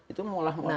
itu mulai jadi bengkak